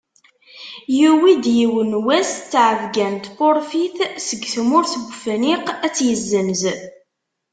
Yuwi-d yiwen wass ttɛebgga n tpurfit seg tmurt n Wefniq ad tt-yesenz.